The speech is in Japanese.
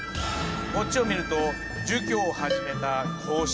こっちを見ると儒教を始めた孔子。